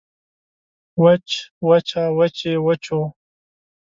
وچ وچه وچې وچو